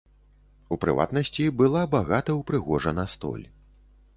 У прыватнасці, была багата ўпрыгожана столь.